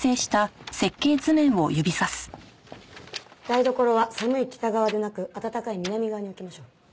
台所は寒い北側でなく暖かい南側に置きましょう。